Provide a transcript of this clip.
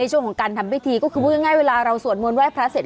ช่วงของการทำพิธีก็คือพูดง่ายเวลาเราสวดมนต์ไห้พระเสร็จ